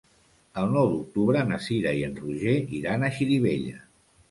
El nou d'octubre na Cira i en Roger iran a Xirivella.